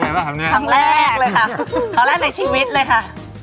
ครั้งแรกเลยป่ะครับครั้งแรกเลยค่ะครั้งแรกในชีวิตเลยค่ะ